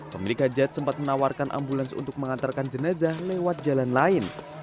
pemilik hajat sempat menawarkan ambulans untuk mengantarkan jenazah lewat jalan lain